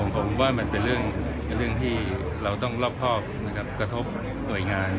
ผมว่ามันเป็นเรื่องที่เราต้องรอบกระทบหน่วยงาน